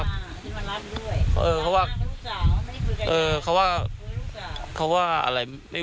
มารับด้วยเขาอ้างว่าลูกสาวเขาไม่ได้ฟื้นกันด้วย